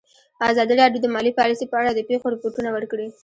ازادي راډیو د مالي پالیسي په اړه د پېښو رپوټونه ورکړي.